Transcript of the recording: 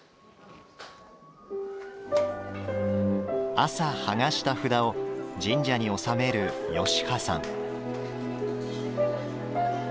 朝、剥がした札を神社に納める吉羽さん。